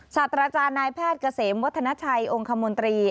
ศาสตราจารย์นายแพทย์เกษมวัฒนาชัยองค์คมนตรี